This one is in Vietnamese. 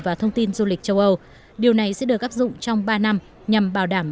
và thông tin du lịch châu âu điều này sẽ được áp dụng trong ba năm nhằm bảo đảm